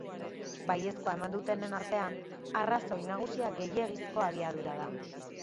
Baiezkoa eman dutenen artean, arrazoi nagusia gehiegizko abiadura da.